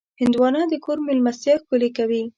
هندوانه د کور مېلمستیا ښکلې کوي.